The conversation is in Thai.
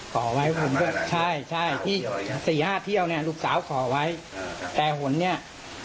ขอไว้ผมก็ใช่ใช่ที่สี่ห้าเที่ยวเนี่ยลูกสาวขอไว้แต่หนเนี่ย